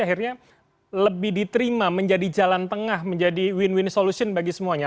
akhirnya lebih diterima menjadi jalan tengah menjadi win win solution bagi semuanya